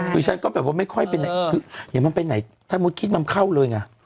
ไม่คุณฉันก็แบบว่าไม่ค่อยไปไหนอย่าต้องไปไหนถ้าไม่คิดมันเข้าเลยไง